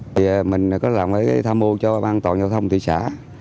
thì mình có làm với tham mưu cho bang tòa giao thông thị xã